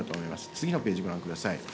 次のページご覧ください。